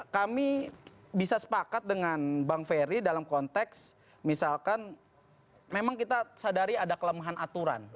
kami bisa sepakat dengan bang ferry dalam konteks misalkan memang kita sadari ada kelemahan aturan